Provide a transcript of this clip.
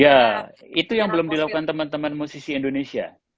ya itu yang belum dilakukan teman teman musisi indonesia